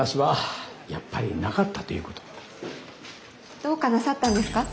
どうかなさったんですか？